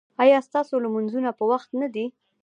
ایا ستاسو لمونځونه په وخت نه دي؟